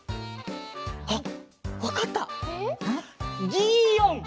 ギーオン！